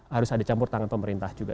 harus ada campur tangan pemerintah juga